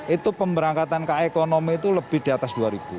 itu pemberangkatan ka ekonomi itu lebih di atas dua